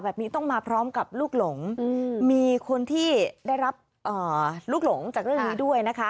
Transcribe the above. แบบนี้ต้องมาพร้อมกับลูกหลงมีคนที่ได้รับลูกหลงจากเรื่องนี้ด้วยนะคะ